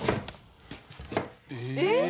えっ！？